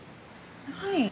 はい？